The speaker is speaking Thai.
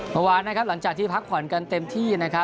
หลังจากที่พักผ่อนกันเต็มที่